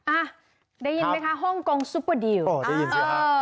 อ่ะได้ยินไหมคะฮ่องกงซุปเปอร์ดีลอ๋อได้ยินจริงค่ะเออ